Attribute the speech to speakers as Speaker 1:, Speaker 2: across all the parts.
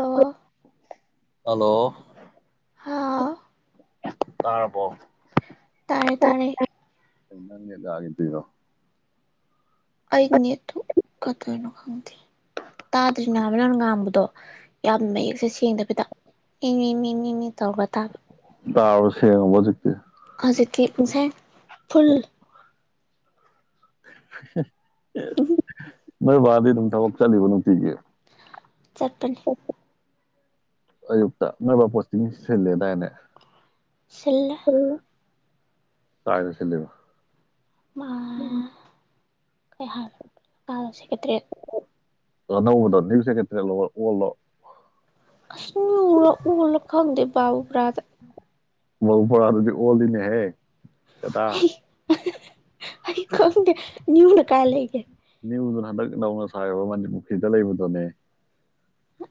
Speaker 1: ꯑꯣ
Speaker 2: ꯍꯜꯂꯣ
Speaker 1: ꯍꯥꯥꯎ
Speaker 2: ꯇꯥꯔꯔꯕꯣ
Speaker 1: ꯇꯥꯔꯦ ꯇꯥꯔꯦ
Speaker 2: ꯅꯪꯦꯗꯒꯗꯔꯣ
Speaker 1: ꯑꯩ ꯅꯦꯠꯇꯨ ꯀꯠꯇꯣꯏꯅꯣ ꯈꯪꯗꯦ ꯇꯥꯗ꯭ꯔꯤꯅꯦꯕ ꯅꯪ ꯉꯥꯡꯕꯗꯣ ꯌꯥꯝ ꯃꯌꯦꯛꯁꯦ ꯁꯦꯡꯗꯕꯤꯗ ꯑꯦ ꯃꯤ ꯃꯤ ꯃꯤ ꯃꯤ ꯇꯧꯔꯒ ꯇꯥꯕ
Speaker 2: ꯇꯥꯔꯕꯣ ꯁꯦꯡꯂꯥꯕꯣ ꯍꯧꯖꯤꯛꯇꯤ
Speaker 1: ꯍꯧꯖꯤꯛꯇꯤ ꯄꯨꯡꯁꯦꯡ ꯐꯨꯜ
Speaker 2: ꯅꯣꯏ ꯕꯥꯗꯤ ꯑꯗꯨꯝ ꯊꯕꯛ ꯆꯠꯂꯤꯕ ꯅꯨꯡꯇꯤꯒꯤ
Speaker 1: ꯆꯠꯄꯅꯤ
Speaker 2: ꯑꯌꯨꯛꯇ ꯅꯣꯏꯕ ꯄꯣꯁꯇꯤꯡ ꯁꯤꯜꯂꯦꯗꯥꯏꯅꯦ
Speaker 1: ꯁꯤꯜꯂꯥ
Speaker 2: ꯇꯥꯏꯅ ꯁꯤꯕ
Speaker 1: ꯑ ꯀ ꯑ ꯑꯦꯠꯇꯦ
Speaker 2: ꯑ ꯅꯗꯣꯅꯤꯕ ꯁꯦꯀꯠꯇꯜꯂꯣ
Speaker 1: ꯑꯁ ꯍ ꯂ ꯈ ꯍꯗ ꯕꯥꯕ ꯄꯨꯔꯥꯗ
Speaker 2: ꯋꯥ ꯐꯔꯥ ꯑꯗꯨꯗꯤ ꯑꯣꯜꯂꯤꯅꯦ ꯍꯦ ꯀꯗꯥ
Speaker 1: ꯑꯩꯀꯦ ꯅꯌꯅ ꯀꯂꯒ
Speaker 2: ꯅ꯭ꯌꯨꯗꯨꯅ ꯍꯟꯗꯛ ꯅꯧꯅ ꯁꯥꯕ ꯃꯅꯤ ꯄꯨꯈ꯭ꯔꯤꯗ ꯂꯩꯕꯗꯨꯅꯦ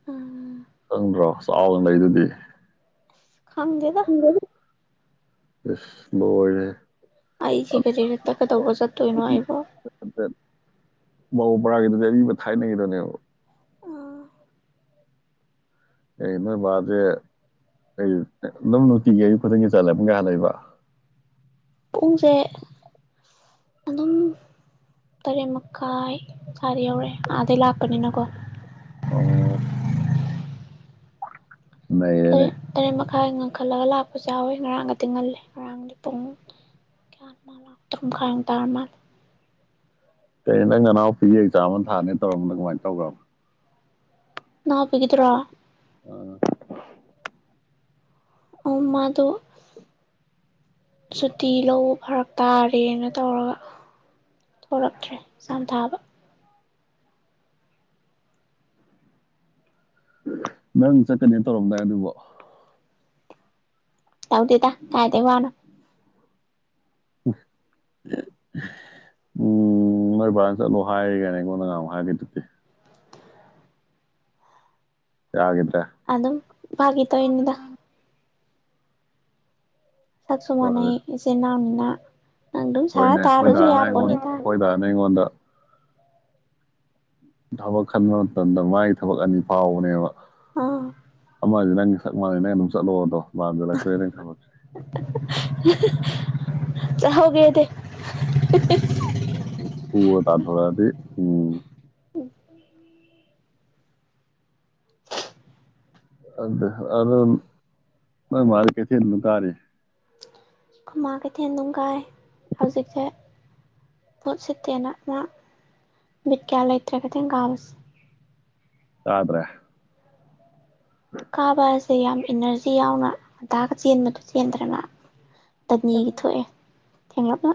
Speaker 1: ꯎꯝ
Speaker 2: ꯈꯪꯗ꯭ꯔꯣ ꯆꯥꯎꯅ ꯂꯩꯗꯨꯗꯤ
Speaker 1: ꯈꯪꯗꯦꯗ
Speaker 2: ꯑꯁ ꯃꯜꯅꯦ
Speaker 1: ꯑꯩꯁꯦꯀꯖꯔꯦ ꯇꯀꯗꯕꯖꯥ ꯇꯣꯏꯅꯣ ꯑꯕꯣ
Speaker 2: ꯕꯕꯎ ꯄꯔꯥꯒꯤꯗꯨꯗꯤ ꯑꯔꯤꯕ ꯊꯥꯏꯅꯒꯤꯗꯨꯅꯦꯕ ꯑꯩ ꯅꯣꯏꯕꯥꯁꯦ ꯑꯩ ꯑꯗꯨꯝ ꯅꯨꯡꯇꯤꯒꯤ ꯑꯌꯨꯛ ꯈꯨꯗꯤꯡꯒꯤ ꯆꯠꯂꯕ ꯀꯍꯥꯟ ꯂꯩꯕ
Speaker 1: ꯄꯨꯡꯁꯦ ꯑꯗꯨꯝ ꯇꯔꯦꯠ ꯃꯈꯥꯏ ꯁꯥꯗ ꯌꯧꯔꯛꯑꯦ ꯑꯥꯗꯩ ꯂꯥꯛꯄꯅꯤꯅꯀꯣ
Speaker 2: ꯑꯣ
Speaker 1: ꯇ
Speaker 2: ꯅꯩꯔꯦꯅꯦ
Speaker 1: ꯇꯔ ꯃꯈ ꯥꯏ ꯉꯟꯈꯠꯂꯒ ꯂꯥꯛꯄꯁꯨ ꯌꯥꯎꯋꯤ ꯉꯔꯥꯡꯒꯗꯤ ꯉꯜꯜꯂꯤꯦ ꯉꯔꯥꯡꯗꯤ ꯄꯨꯡ ꯀꯌꯥ ꯃꯥꯂ ꯇꯔꯨ ꯃꯈ ꯃꯈꯥꯏ ꯇꯥꯔ ꯃꯥꯜꯂꯦ
Speaker 2: ꯀꯔꯤ ꯅꯪ ꯉꯅꯥꯎꯄꯤꯒꯤ ꯑꯦꯛꯖꯥꯝ ꯑꯃ ꯊꯥꯅꯤ ꯇꯧꯔꯝꯕꯅꯣ ꯀꯃꯥꯏꯅ ꯇꯧꯕꯈ꯭ꯔꯣ
Speaker 1: ꯅꯅꯥꯎꯕꯤꯒꯗ꯭ꯔꯣ ꯑꯣ ꯃꯥꯗ ꯁꯨꯇꯤ ꯂ ꯐꯔꯛ ꯇꯥꯔꯦꯅ ꯇꯧꯔꯒ ꯊꯣꯛꯂꯛꯇ꯭ꯔꯦ ꯆꯥꯝꯊꯥꯕ
Speaker 2: ꯅꯪ ꯆꯠꯀꯅꯤꯅ ꯇꯧꯔꯝꯗꯥꯏ ꯑꯗꯨꯕꯨ
Speaker 1: ꯇꯧꯗꯦꯗ ꯀꯥꯏꯗ ꯋꯥꯅ
Speaker 2: ꯎꯝ ꯅꯣꯏ ꯕꯥ ꯆꯠꯂꯨ ꯍꯥꯏꯔꯤꯒꯅꯦ ꯑꯩꯉꯣꯟꯅ ꯉꯃꯨꯛ ꯍꯥꯏꯔꯒꯦ ꯑꯗꯨꯗꯤ ꯍꯥꯏ ꯑꯗꯨ
Speaker 1: ꯑ ꯑꯗꯨꯝ ꯐꯒꯤꯦ ꯇ ꯏꯅꯤꯗ ꯆꯥꯛ ꯁꯣꯃꯅ ꯏꯁ ꯅꯝ ꯑ [unintelligible]
Speaker 2: ꯍꯣꯏꯅꯦ ꯑꯩꯈꯣꯏ ꯗꯥꯔꯅ ꯑꯩꯉꯣꯟꯗ ꯑꯩꯈꯣꯏ ꯗꯥꯔꯅ ꯑꯩꯉꯣꯟꯗ ꯊꯕꯛ ꯈꯟꯕ ꯃꯇꯝꯗ ꯃꯥꯒꯤ ꯊꯕꯛ ꯑꯅꯤ ꯐꯥꯎꯕꯅꯦꯕ
Speaker 1: ꯑꯥ
Speaker 2: ꯃꯥꯁꯤꯦ ꯅꯪꯒꯤ ꯁ ꯃ ꯃꯥꯥꯟꯦ ꯅꯪ ꯑꯗꯨꯝ ꯆꯠꯂꯣꯑꯣꯗꯣ
Speaker 1: ꯍꯧꯒꯗꯤ [unintelligible]
Speaker 2: ꯄꯨꯔ ꯇꯥꯟꯊꯣꯔꯛꯑꯗꯤ ꯎꯝ ꯑꯗꯨꯗ ꯑꯗꯨꯗ ꯃ ꯃꯥꯔ ꯀꯦ ꯊꯤ ꯂꯨꯀꯔꯤ
Speaker 1: ꯈꯨꯃꯥ ꯀꯩꯊꯦꯜ ꯅꯨꯡꯝ ꯀꯥꯏ ꯍꯧꯖꯤꯛꯁꯦ ꯃꯍꯨꯠ ꯁꯤꯠꯇꯦꯅ ꯃꯥ ꯃꯤꯠ ꯀꯌꯥ ꯂꯩꯇ꯭ꯔꯦ ꯀꯩꯊꯦꯜ ꯀꯥꯕꯁꯦ
Speaker 2: ꯑꯗꯨꯗ꯭ꯔꯦ
Speaker 1: ꯀꯥꯕ ꯍꯥꯏꯁꯦ ꯌꯥꯝ ꯏꯅꯔꯖꯤ ꯌꯥꯎꯅ ꯑꯗꯥꯒ ꯆꯦꯟꯕꯗꯨ ꯆꯦꯟꯗ꯭ꯔꯦꯅ ꯇꯅꯤꯒꯤ ꯊꯣꯛꯑꯦ ꯊꯦꯡꯂꯞꯂ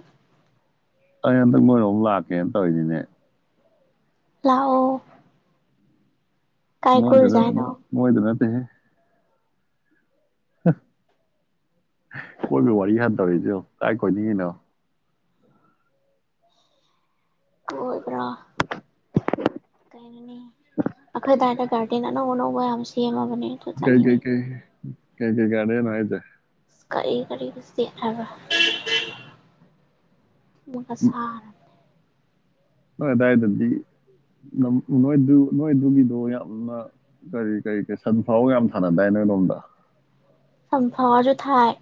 Speaker 2: ꯑꯩ ꯍꯟꯗꯛ ꯃꯣꯏ ꯑꯃꯛ ꯂꯥꯛꯀꯦꯅ ꯇꯧꯔꯤꯁꯤꯅꯦ
Speaker 1: ꯂꯥꯛꯑꯣ ꯀꯥꯏ
Speaker 2: ꯃꯣꯏꯗ
Speaker 1: ꯀꯣꯏꯔꯨꯖꯦ ꯍꯥꯏꯅꯣ
Speaker 2: ꯃꯣꯏꯗꯅ ꯃꯗꯦ ꯀꯣꯏꯕ ꯋꯥꯔꯤ ꯍꯥꯟ ꯇꯧꯔꯛꯁꯨ ꯀꯥꯏ ꯀꯣꯏꯅꯤꯡꯉꯤꯅꯣ
Speaker 1: ꯀꯣꯏꯕ꯭ꯔꯥ ꯀꯩꯅꯩꯅꯣꯅꯤ ꯑꯩꯈꯣꯏꯗꯥꯏꯗ ꯒꯥꯔꯗꯦꯟ ꯑꯅꯧ ꯑꯅꯧꯕ ꯌꯥꯝ ꯁꯦꯝꯃꯕꯅꯦ ꯑꯗꯨ
Speaker 2: ꯀꯩ ꯀꯩ
Speaker 1: ꯆꯠꯅꯤꯡꯉꯤ
Speaker 2: ꯀꯩ ꯀꯩ ꯀꯩ ꯀꯗꯦꯅ ꯀꯖꯦ
Speaker 1: ꯀꯔꯤ ꯀꯔꯤꯕ ꯃ ꯁꯔ
Speaker 2: ꯅꯣꯏ ꯑꯗꯨꯗꯥꯋꯥꯏꯗꯗꯤ ꯅꯣꯏꯗꯨ ꯅꯣꯏꯗꯨꯒꯤꯗꯣ ꯌꯥꯝꯅ ꯀꯔꯤ ꯀꯔꯤ ꯀꯔꯤ ꯁꯟ ꯐꯥꯎ ꯌꯥꯝ ꯊꯥꯅꯗꯥꯏ ꯅ ꯑꯔꯣꯝꯗ
Speaker 1: ꯁꯐꯋꯥꯁꯨ ꯊꯥꯏ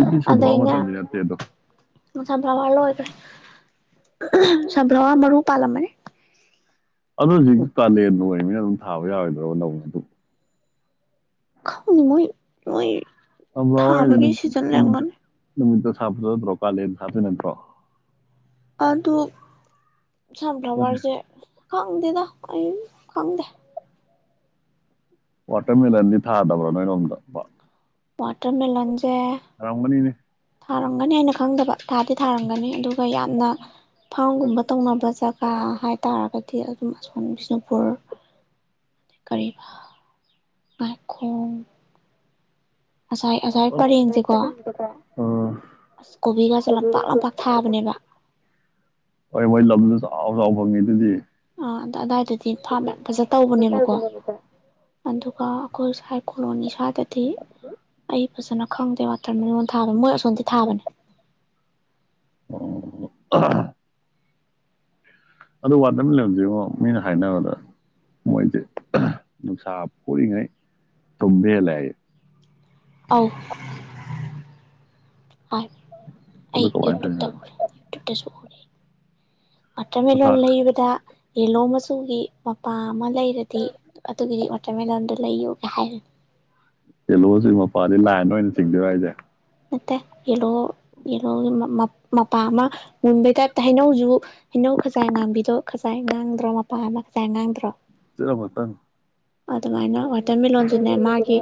Speaker 2: ꯑꯗꯨ ꯁꯚꯥꯎ ꯑꯃ ꯃꯇꯝꯅꯤꯇꯦꯗꯣ
Speaker 1: ꯁꯕ꯭ꯔꯋꯥ ꯂꯣꯏꯈ꯭ꯔꯦ ꯁꯕ꯭ꯔꯋꯥ ꯃꯔꯨ ꯄꯥꯜꯂꯝꯕꯅꯦ
Speaker 2: ꯑꯗꯨ ꯍꯧꯖꯤꯛꯇ ꯀꯥꯂꯦꯟ ꯑꯣꯏꯕꯅꯤꯅ ꯑꯗꯨꯝ ꯊꯥꯕ ꯌꯥꯔꯣꯏꯗ꯭ꯔꯣ ꯂꯧ ꯑꯗꯨ
Speaker 1: ꯈꯥꯎꯅꯤ ꯃꯣꯏ ꯃꯣꯏ ꯊꯥꯕꯒꯤ ꯁꯤꯖꯟ ꯂꯩꯔꯝꯒꯅꯤ
Speaker 2: ꯑꯋꯥꯗꯃꯤꯃꯤ ꯗ꯭ꯔꯣ ꯀꯥ ꯂꯩ ꯁꯥꯇ ꯅꯠꯇ꯭ꯔꯣ
Speaker 1: ꯑꯗꯨ ꯁꯝ
Speaker 2: ꯍꯣꯏꯅꯦ
Speaker 1: ꯊ꯭ꯔꯋꯥꯔꯁꯦ ꯀꯗꯗ ꯑꯩ ꯈꯪꯗꯦ
Speaker 2: ꯋꯥꯇꯔꯃꯦꯂꯟꯗꯤ ꯊꯥꯗꯕ꯭ꯔꯥ ꯅꯣꯏꯔꯣꯝꯗ
Speaker 1: ꯋꯥꯇꯔꯃꯦꯂꯟꯁꯦ
Speaker 2: ꯊꯥꯔꯝꯒꯅꯤꯅꯦ
Speaker 1: ꯊꯥꯔꯝꯒꯅꯤ ꯍꯥꯏꯅ ꯈꯪꯗꯕ ꯊꯥꯗꯤ ꯊꯥꯔꯝꯒꯅꯤ ꯑꯗꯨꯒ ꯌꯥꯝꯅ ꯐꯥꯝꯒꯨꯝꯕ ꯇꯧꯅꯕ ꯖꯒꯥ ꯍꯥꯏ ꯇꯥꯔꯒꯗꯤ ꯑꯗꯨꯝ ꯑꯁꯣꯝ ꯕꯤꯁꯅꯨꯄꯨꯔ ꯀꯔꯤꯕ ꯉꯏꯈꯣꯡ
Speaker 2: [unintelligible] ꯀꯣꯕꯤꯒꯁꯦ [unintelligible]
Speaker 1: ꯑꯁ ꯀꯣꯕꯤꯒꯁꯦ ꯂꯝꯄꯥꯛ ꯂꯝꯄꯥꯛ ꯊꯥꯕꯅꯦꯕ
Speaker 2: ꯃꯣꯏ ꯃꯣꯏ ꯅꯝꯁꯦ ꯆꯣꯎ ꯆꯥꯎꯅꯐꯪ ꯑꯗꯨꯗꯤ
Speaker 1: ꯑ ꯑꯗꯥꯏꯗꯨ ꯗꯤ ꯐꯥꯝ ꯌꯥꯝ ꯐꯖ ꯇꯧꯕꯅꯦꯕꯀꯣ ꯑꯗꯨꯒ ꯑꯩꯈꯣꯏ ꯁ꯭ꯥꯏ ꯀꯣꯂꯣꯅꯤ ꯏꯁ꯭ꯋꯥꯏꯗꯗꯤ ꯑꯩ ꯐꯖꯅ ꯈꯪꯗꯦ ꯋꯥꯇꯔ ꯃꯦꯂꯣꯟ ꯊꯥꯕ ꯃꯣꯏ ꯁꯣꯟꯗꯤ ꯊꯥꯕꯅꯦ
Speaker 2: ꯑ [unintelligible] ꯑꯗꯨ ꯋꯥꯗ ꯋꯥꯇꯔ ꯃꯦꯂꯣꯜ ꯁꯦ ꯉꯣ ꯃꯤꯅ ꯍꯥꯏꯅꯕꯗ ꯃꯣꯏꯁꯦ ꯅꯨꯡꯁꯥ ꯐꯨꯔꯤꯉꯩ ꯇꯨꯝꯕ ꯍꯦꯜꯂꯦ ꯍꯥꯏꯌꯦ
Speaker 1: ꯑꯧ [unintelligible]
Speaker 2: ꯑꯗꯨ
Speaker 1: ꯑꯩ
Speaker 2: ꯀꯃꯥꯏꯅ
Speaker 1: ꯌꯨꯇꯨꯕ ꯇ
Speaker 2: ꯇꯧꯔꯤꯅꯣ
Speaker 1: ꯎꯔꯦ ꯌꯨꯇꯨꯕ ꯇꯁꯨ ꯎꯔꯦ ꯋꯥꯇꯔ
Speaker 2: ꯅꯨꯡꯁꯥ
Speaker 1: ꯃꯦꯂꯣꯜ ꯂꯩꯕꯗ ꯌꯦꯂꯣ ꯃꯆꯨꯒꯤ ꯃꯄꯥꯝ ꯑꯃ ꯂꯩꯔꯗꯤ ꯑꯗꯨꯒꯤꯗꯤ [unintelligible] ꯂꯩꯆꯨ ꯀ [unintelligible]
Speaker 2: ꯆꯦꯂꯣ ꯁꯦ ꯃꯄꯥꯜꯗꯩ ꯂꯥꯏꯟ ꯑꯣꯏꯅ ꯆꯤꯡꯗꯣꯏꯔꯣ ꯍꯥꯏꯁꯦ
Speaker 1: ꯅꯠꯇꯦ ꯌꯦꯜꯂꯣ ꯌꯦꯂꯣꯒꯤ ꯃꯄꯥ ꯑꯃ ꯉꯨꯟꯕꯩ ꯇꯥꯏꯞꯇ ꯍꯩꯅꯧꯖꯨ ꯍꯩꯅꯧ ꯈꯖꯥꯏ ꯉꯥꯡꯕꯤꯗꯣ ꯈꯖꯥꯏ ꯉꯥꯡꯗ꯭ꯔꯣ ꯃꯄꯥ ꯑꯃ ꯈꯖꯥꯏ ꯉꯥꯡꯗ꯭ꯔꯣ
Speaker 2: [unintelligible]
Speaker 1: ꯑꯗꯨꯃꯥꯏꯅ ꯋꯥꯇꯔ ꯃꯤꯂꯂꯣꯟꯁꯤꯅꯦ ꯃꯥꯒꯤ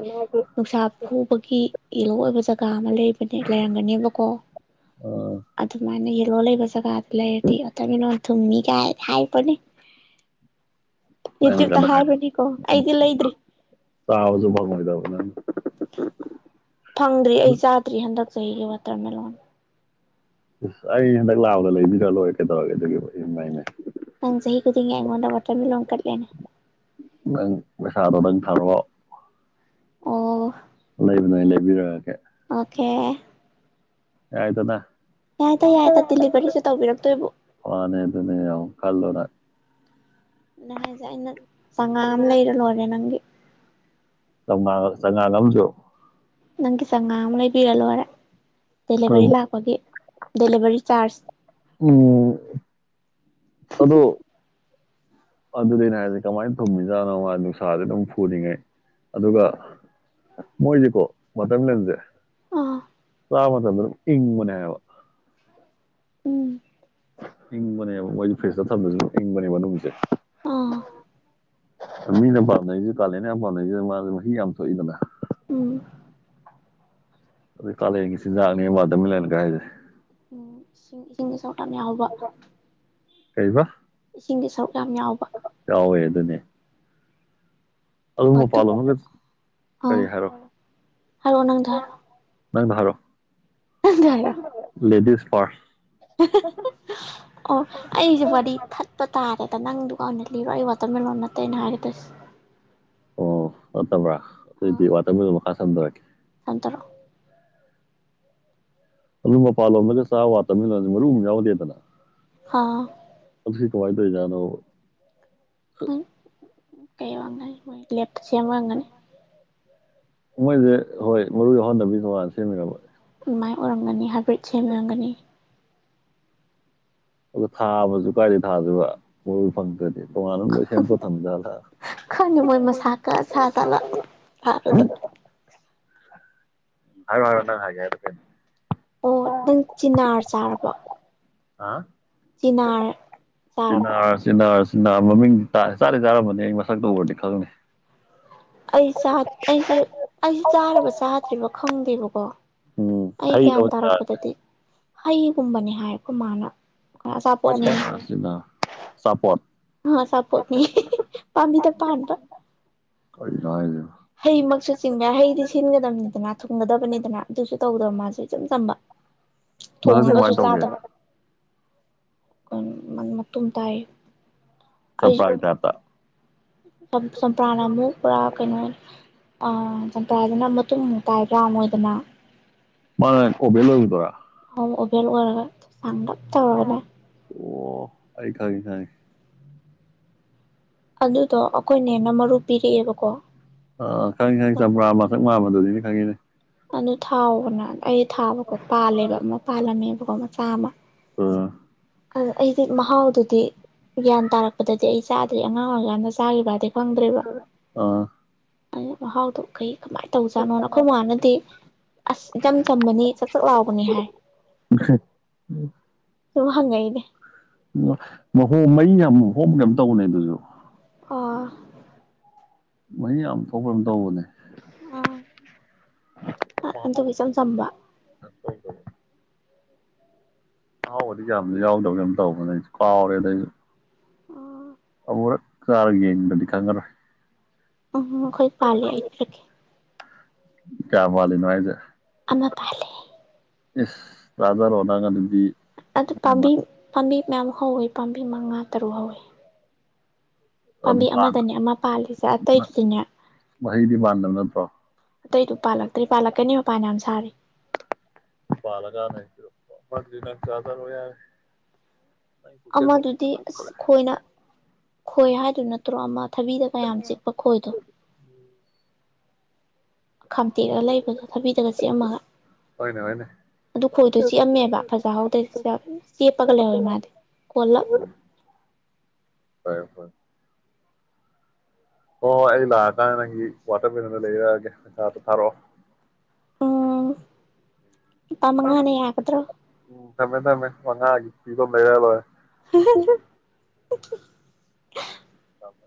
Speaker 1: ꯅꯨꯡꯁꯥ ꯐꯨꯕꯒꯤ ꯌꯦꯂꯣ ꯑꯣꯏꯕꯆꯠ ꯀꯥ ꯑꯃ ꯂꯩꯕꯅꯦ ꯂꯩꯔꯝꯒꯅꯦꯕꯀꯣ ꯑꯗꯨꯃꯥꯏꯅ [unintelligible] ꯂꯩꯕꯖꯒꯥꯗ ꯂꯩꯔꯗꯤ ꯑꯇꯔꯃꯤꯅꯣꯟ ꯊꯨꯝꯃꯤ ꯀꯥꯏ ꯍꯥꯏ ꯄꯅꯦ ꯌꯨꯇꯨꯞꯇ ꯍꯥꯏꯕꯅꯤꯀꯣ ꯑꯩꯗꯤ ꯂꯩꯗ꯭ꯔꯤ
Speaker 2: ꯆꯕꯁꯨ ꯐꯪꯉꯣꯏꯗ [unintelligible]
Speaker 1: ꯐꯪꯗ꯭ꯔꯤ ꯑꯩ ꯆꯥꯗ꯭ꯔꯤ ꯍꯟꯗꯛ ꯆꯍꯤꯒꯤ ꯋꯥꯇꯔꯃꯦꯂꯣꯟ
Speaker 2: ꯑꯁ ꯑꯩ ꯍꯟꯗꯛ ꯂꯥꯛꯕꯗ ꯂꯩꯕꯤꯔ ꯂꯣꯏꯔꯦ ꯀꯩꯗꯧꯔꯒꯦ ꯑꯗꯨꯒꯤꯕꯨ ꯏꯃꯥꯏꯃꯥꯏ
Speaker 1: ꯅꯪ ꯆꯍꯤ ꯈꯨꯗꯤꯡꯒꯤ ꯑꯩꯉꯣꯟꯗ ꯋꯥꯇꯔꯃꯤꯂꯂꯣꯟ ꯀꯠꯂꯦꯅꯦ
Speaker 2: ꯅꯪ ꯄꯩꯁꯥꯗꯣ ꯅꯪ ꯊꯣ
Speaker 1: ꯑꯣ
Speaker 2: ꯂꯩꯕꯅ ꯑꯩ ꯂꯩꯕꯤꯔꯛꯑꯒꯦ
Speaker 1: ꯑꯣꯀꯦ
Speaker 2: ꯌꯥꯏꯗꯅ
Speaker 1: ꯌꯥꯏꯗ ꯌꯥꯏꯗ ꯗꯤꯂꯤꯚꯔꯤꯁꯨ ꯇꯧꯕꯤꯔꯛꯇꯣꯏꯕꯨ
Speaker 2: [unintelligible] ꯃꯥꯅꯦ ꯑꯗꯨꯅꯦ ꯌꯥꯝ ꯈꯜꯂꯨ ꯅꯪ [unintelligible]
Speaker 1: ꯅ ꯍꯥꯏꯁꯦ ꯑꯩꯅ ꯆꯉꯥꯡ ꯑꯃ ꯂꯩꯔ ꯂꯣꯏꯔꯦ ꯅꯪꯒꯤ
Speaker 2: ꯆ ꯆꯪꯉ ꯂꯧꯖꯣ
Speaker 1: ꯅꯪꯒꯤ ꯆꯪꯉꯥꯡ ꯑꯃ ꯂꯩꯕꯤꯔ ꯂꯣꯏꯔꯦ ꯗꯦꯂꯤꯚꯔꯤ ꯂꯥꯛꯄꯒꯦ ꯗꯦꯂꯤꯚꯔꯤ ꯆꯥꯔꯖ
Speaker 2: ꯎꯝ ꯑꯗꯣ ꯑꯗꯨꯗꯩꯅꯣ ꯍꯥꯏꯁꯦ ꯀꯃꯥꯏꯅ ꯊꯨꯝꯃꯤꯖꯥꯠꯅꯣ ꯃꯥ ꯅꯨꯡꯁꯥꯥꯁꯦ ꯑꯗꯨꯝ ꯐꯨꯔꯤꯉꯩ ꯑꯗꯨꯒ ꯃꯣꯏꯁꯦꯀꯣ ꯃꯇꯝꯂꯁꯦ
Speaker 1: ꯑꯥ
Speaker 2: ꯔꯃꯇꯗ꯭ꯔꯝ ꯏꯪꯨꯅꯌꯥꯕ
Speaker 1: ꯎꯝ
Speaker 2: ꯏꯪꯕꯅꯦꯕ ꯃꯣꯏꯁꯦ ꯐꯦꯁꯇ ꯊꯝꯗꯁꯨ ꯏꯪꯕꯅꯦꯕ ꯅꯨꯃꯤꯠꯁꯦ
Speaker 1: ꯑꯥ
Speaker 2: ꯃꯤꯅ ꯄꯥꯝꯅꯔꯤꯁꯦ ꯀꯥꯂꯦꯟ ꯌꯥꯝ ꯄꯥꯝꯅꯔꯤꯁꯤꯦ ꯃꯥꯁꯦ ꯃꯍꯤ ꯌꯥꯝ ꯊꯣꯛꯏꯗꯅ
Speaker 1: ꯎꯝ
Speaker 2: ꯑꯗꯨꯩ ꯀꯥꯂꯦꯟꯒꯤ ꯆꯤꯟꯖꯥꯛꯅꯤꯕꯥꯗꯃꯤꯂꯅ ꯀꯥꯏꯁꯦ
Speaker 1: ꯏꯁꯤꯡ ꯏꯁꯤꯡꯁꯦ ꯆꯔꯈ ꯌꯥꯝ ꯌꯥꯎꯕ
Speaker 2: ꯀꯩꯕ
Speaker 1: ꯏꯁꯤꯡꯒꯤ ꯁꯔꯨꯛ ꯌꯥꯝ ꯌꯥꯎꯕ
Speaker 2: ꯑꯗꯨꯅꯦ ꯑꯗꯨ
Speaker 1: ꯋꯥꯇꯨ
Speaker 2: ꯃꯄꯥꯥꯜꯂꯣꯒ
Speaker 1: ꯑꯥ
Speaker 2: ꯀꯔꯤ ꯍꯥꯏꯔꯣ
Speaker 1: ꯍꯥꯏꯔꯛꯑꯣ ꯅꯪꯗꯣ ꯍꯥꯏꯔꯛꯑꯣ
Speaker 2: ꯅꯪ ꯃꯍꯔꯣ
Speaker 1: ꯅꯪꯗꯣ ꯍꯥꯏꯔꯛꯑꯣ
Speaker 2: ꯂꯦꯗꯤꯁ ꯄꯔ
Speaker 1: ꯑꯣ ꯑꯩꯁꯦ ꯃꯗꯤ ꯊꯠꯄ ꯇꯥꯔꯦ ꯅꯪ ꯗꯨꯀꯥꯟ ꯍ ꯂꯤꯔꯣ ꯑꯩ ꯋꯥꯇꯔꯃꯦꯂꯣꯟꯣꯟ ꯅꯠꯇꯦꯅ ꯍꯥꯏꯔꯗꯁꯦ
Speaker 2: ꯑꯣ ꯕ꯭ꯔꯥ ꯑꯗꯨꯑꯣꯗꯤ ꯋꯥꯇꯔ ꯃꯈꯥ ꯁꯗꯛꯀꯤꯦ
Speaker 1: ꯑꯟꯇꯔꯣ
Speaker 2: ꯑꯗꯨ ꯃꯄꯥꯟꯂꯣꯝꯗ ꯆꯥ ꯋꯥ ꯇꯥꯃꯤꯜꯁ ꯃꯔꯨ ꯑꯃ ꯌꯥꯎꯗꯦꯗꯅ
Speaker 1: ꯑꯥ
Speaker 2: ꯀꯃꯥꯏꯗꯖꯅꯣ ꯈꯨ [unintelligible]
Speaker 1: ꯎ ꯀꯩ ꯋꯥꯉꯣꯏ ꯊꯆ ꯑꯃꯒꯅꯤ
Speaker 2: ꯃꯣꯏꯁꯦ ꯍꯣꯏ ꯃꯔꯨ ꯌꯥꯎꯍꯟꯗꯕꯤ ꯇꯣꯉꯥꯟꯅ ꯁꯦꯝꯃꯤꯅꯕ
Speaker 1: ꯥꯏ ꯑꯣꯔꯝꯅꯤ ꯍꯥꯏ ꯄ꯭ꯔꯤꯠꯁꯕꯤꯝꯒꯅꯤ
Speaker 2: ꯑꯗꯨ ꯊꯥꯕꯁꯨ ꯀꯥꯏꯗ ꯊꯥꯗꯣꯏꯕ ꯃꯣꯏꯜ ꯐꯪꯗ꯭ꯔꯗꯤ ꯇꯣꯉꯥꯟꯅ ꯂꯣꯏ ꯁꯦꯝꯇꯣꯛ ꯊꯝꯖꯥꯠꯂ
Speaker 1: ꯈꯣꯏꯅ ꯃꯣꯏ ꯃꯁꯥꯀ ꯁꯥ ꯇꯂ
Speaker 2: ꯍꯥꯏꯔ ꯍꯥꯏꯔꯅ ꯍꯥꯏꯒꯦ
Speaker 1: ꯑꯣ ꯅꯪ ꯆꯤꯅꯥꯔ ꯆꯥꯔꯕ
Speaker 2: ꯍꯥ
Speaker 1: ꯆꯥꯔꯕꯣ
Speaker 2: ꯁꯤꯟꯅꯔ ꯁꯤꯅꯔ ꯁꯤ ꯃꯃꯤꯡ ꯆꯥꯗꯤ ꯆꯥꯔꯕꯅꯤ ꯑꯩ ꯃꯁꯛꯇ ꯎꯔꯗꯤ ꯈꯪꯅꯤ
Speaker 1: ꯑꯩ ꯑꯩꯁꯦ ꯑꯩꯁꯦ ꯆꯥꯔꯕ ꯆꯥꯗ꯭ꯔꯤꯕ ꯈꯪꯗꯦꯕꯀꯣ
Speaker 2: ꯎꯝ
Speaker 1: ꯑꯩ
Speaker 2: ꯍꯩꯔꯣ
Speaker 1: ꯒ꯭ꯌꯥꯟ
Speaker 2: ꯆꯤꯅꯥꯔ
Speaker 1: ꯇꯥꯔꯛꯄꯗꯗꯤ ꯍꯩꯒꯨꯝꯕꯅꯦ ꯍꯥꯏꯀꯣ ꯃꯥꯅ ꯑꯆꯥꯄꯣꯠꯅꯤ
Speaker 2: ꯖꯤꯅꯥ ꯑꯆꯥꯄꯣꯠ
Speaker 1: ꯑꯥ ꯁꯞꯄꯣꯠꯅꯤ ꯄꯥꯃꯤ ꯇ ꯄꯕ
Speaker 2: ꯀꯩꯒ
Speaker 1: ꯍꯩꯃꯛꯁꯨ ꯆꯤꯡꯕ ꯌꯥꯏ ꯍꯩꯗꯤ ꯁꯤꯟꯒꯗꯕꯅꯤꯗꯅ ꯊꯨꯡꯒꯗꯕꯅꯤꯗꯅ ꯑꯗꯨꯁꯨ ꯇꯧꯗꯕ ꯃꯥꯁꯨꯦ ꯏꯆꯝ ꯆꯝꯕ
Speaker 2: ꯃꯁꯛꯁꯦ
Speaker 1: ꯊꯣꯡꯉꯒꯁꯨ
Speaker 2: ꯀꯃꯥꯏꯅ ꯇꯧꯒꯦ
Speaker 1: ꯆꯥꯗꯕ ꯀꯨꯝ ꯇꯥꯏ
Speaker 2: ꯆꯄ ꯊꯥ ꯇ
Speaker 1: ꯁꯄ꯭ꯔꯥꯅ ꯑꯃꯨ ꯄꯨꯔꯥ ꯀꯩꯅꯣ ꯑꯥ ꯆꯝꯄ꯭ꯔꯥꯁꯤꯅ ꯃꯇꯨꯡ ꯇꯥꯏꯕ꯭ꯔꯥ ꯃꯣꯏꯗꯅ
Speaker 2: ꯃꯥ ꯀꯣꯕꯂꯣꯁꯨꯗꯔꯥ
Speaker 1: ꯐꯦꯟ ꯑꯣꯏꯔ ꯑꯒꯝ ꯇꯒꯅꯦ
Speaker 2: ꯑꯣ ꯑꯩ ꯈꯟꯒꯦ ꯈꯟꯒꯦ
Speaker 1: ꯑꯗꯨꯗꯣ ꯑꯩꯈꯣꯏꯅ ꯍꯦꯟꯅ ꯃꯔꯨ ꯄꯤꯔꯛꯑꯦꯕꯀꯣ
Speaker 2: ꯑ ꯈꯪ ꯈꯪ ꯆꯝꯄ꯭ꯔꯥ ꯃꯊꯛ ꯃꯕꯗꯨꯗꯤ ꯈꯟꯒꯦꯅꯦ
Speaker 1: ꯑꯗꯨ ꯊꯥꯎꯑꯣꯅꯥ ꯑꯩ ꯊꯥꯕꯀꯣ ꯄꯥꯜꯂꯦꯕ ꯑꯃ ꯄꯥꯜꯂꯝꯃꯦꯕ ꯀꯣ ꯃꯆꯥ ꯑꯃ
Speaker 2: ꯑꯝ
Speaker 1: ꯑ ꯑꯩꯗꯤ ꯃꯍꯥꯎꯗꯨꯗꯤ ꯒ꯭ꯌꯥꯟ ꯇꯥꯔꯛꯄꯗꯗꯤ ꯑꯩ ꯆꯥꯗ꯭ꯔꯤ ꯑꯉꯥꯡ ꯑꯣꯏꯔꯀꯥꯟꯗ ꯆꯥꯈꯤꯕ ꯍꯥꯏꯗꯤ
Speaker 2: ꯑꯥ
Speaker 1: ꯑꯗꯨ ꯃꯍꯥꯎꯗꯣ ꯀꯩ ꯀꯃꯥꯏꯅ ꯇꯧꯖꯥꯠꯅꯣꯅ ꯅꯈꯣꯏ ꯃꯃꯥꯟꯅꯗꯤ ꯑꯁ ꯏꯆꯝ ꯆꯝꯕꯅꯤ ꯆꯥꯛ ꯆꯥꯛ ꯂꯥꯎꯕꯅꯤ ꯍꯥꯏ ꯁꯝꯉꯛꯏꯅꯦ
Speaker 2: ꯃꯩ ꯀꯣꯝ ꯃꯍꯤ ꯌꯥꯝꯍꯣꯝꯒꯨꯝ ꯇꯧꯕꯅꯦ ꯑꯗꯨꯁꯨ
Speaker 1: ꯑꯣ
Speaker 2: ꯃꯍꯤ ꯌꯥꯝ ꯊꯣꯛꯄ꯭ꯔ ꯑꯃ ꯇꯧꯕꯅꯦ
Speaker 1: ꯑꯥ ꯑ ꯑꯗꯒ ꯏꯆꯝꯁ ꯆꯝꯕ
Speaker 2: ꯑꯍꯥꯎꯕꯗꯤ ꯌꯥꯝꯗꯤ ꯌꯥꯎꯗꯕ ꯌꯥꯝ ꯇꯧꯗ ꯑꯩꯁꯨ ꯀꯥꯎꯔꯦ ꯑꯗꯩꯁꯨ
Speaker 1: ꯑꯝ
Speaker 2: ꯄꯨꯔ ꯆꯥꯔꯒꯥ ꯌꯦꯟꯗꯔ꯭ꯗꯤ ꯈꯪꯂꯥꯔꯣꯏ
Speaker 1: ꯎꯝ ꯑꯩꯈꯣꯏ ꯄꯥꯜꯂꯦ ꯍꯥꯏꯕꯤꯔꯛꯀꯦ
Speaker 2: ꯀꯌꯥ ꯋꯥꯅꯅꯨꯡꯥꯏꯖꯦ
Speaker 1: ꯑꯃ ꯇꯂꯦ
Speaker 2: ꯔꯥꯖꯥ ꯔꯣꯍꯅꯥꯒꯥꯟꯙꯗꯤ
Speaker 1: ꯑꯗ ꯄꯝꯕ ꯄꯝꯕꯤ ꯃꯌꯥꯝ ꯍꯧꯋꯤ ꯄꯥꯝꯕꯤ ꯃꯉꯥ ꯇꯔꯨꯛ ꯍꯧꯋꯤ
Speaker 2: ꯑꯗꯨ
Speaker 1: ꯄꯥꯝꯕꯤ
Speaker 2: ꯄꯥꯟ
Speaker 1: ꯑꯃꯗꯅꯦ ꯑꯃ ꯄꯥꯜꯂꯤꯁꯦ ꯑꯇꯩꯁꯤꯅꯦ
Speaker 2: ꯃꯍꯩꯗꯤ ꯄꯥꯟꯗꯕ ꯅꯠꯇ꯭ꯔꯣ
Speaker 1: ꯑꯇꯩꯗꯨ ꯄꯥꯜꯂꯛꯇ꯭ꯔꯤ ꯄꯥꯜꯂꯛꯀꯅꯤ ꯃꯄꯥꯟꯅ ꯌꯥꯝ ꯁꯥꯔꯤ
Speaker 2: ꯔꯖ ꯐ ꯂ ꯆꯗ ꯌꯥꯔꯦ ꯅꯪ ꯄꯨꯛꯆꯦꯟ
Speaker 1: ꯑꯃꯗꯨꯗꯤ ꯑꯁ ꯈꯣꯏꯅ ꯈꯣꯏ ꯍꯥꯏꯗꯨ ꯅꯠꯇ꯭ꯔꯣ ꯑꯃ ꯊꯕꯤꯗ ꯀꯌꯥꯝ ꯆꯤꯛꯄ ꯈꯣꯏꯗꯣ ꯈꯥꯝꯇꯦꯛꯑ ꯂꯩꯕꯗꯣ ꯊꯕꯤꯗꯒ ꯆꯤꯛꯑꯝꯃꯒ
Speaker 2: ꯍꯣꯏꯅꯦ ꯍꯣꯏꯅꯦ
Speaker 1: ꯑꯗꯨ ꯈꯣꯏꯗꯣ ꯆꯤꯛꯑꯝꯃꯦꯕ ꯐꯖꯍꯧꯗ꯭ꯔ ꯆꯦꯞꯄꯒ ꯂꯩꯍꯧꯋꯦ ꯃꯥꯗꯤ ꯀꯣꯜꯂꯞ
Speaker 2: ꯍꯔ ꯍꯣꯏ ꯍꯣꯏ ꯍꯣꯏ ꯑꯩ ꯂꯥꯛꯑꯀꯥꯟꯗ ꯅꯪꯒꯤ ꯋꯥꯇꯔ ꯃꯤꯂꯟꯗ ꯂꯩꯔꯛꯑꯒꯦ ꯄꯩꯁꯥꯗ ꯊꯥꯔꯛꯑꯣ
Speaker 1: ꯑꯣ ꯄꯥ ꯃꯉꯅꯦ ꯌꯥꯒꯗ꯭ꯔꯣ
Speaker 2: ꯇꯃꯦ ꯇꯃꯦ ꯋꯥꯉ ꯄꯤꯊꯣ ꯃꯔꯂꯣꯏ
Speaker 1: [unintelligible] ꯑꯣꯊ
Speaker 2: ꯊꯃꯃꯦ